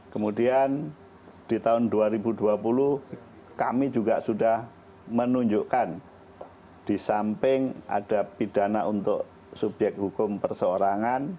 kemudian di tahun dua ribu dua puluh kami juga sudah menunjukkan di samping ada pidana untuk subyek hukum perseorangan